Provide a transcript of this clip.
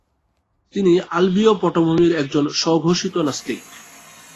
তিনি আলবীয় পটভূমির একজন স্বঘোষিত নাস্তিক।